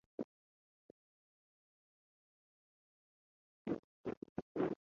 It covered the middle of the ship and was high.